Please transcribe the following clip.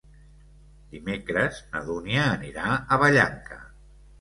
Dimecres na Dúnia anirà a Vallanca.